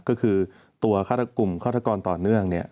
ก็คือตัวกลุ่มฆาตกรต่อเนื่องเนี่ย